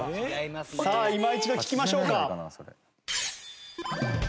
さあ今一度聴きましょうか。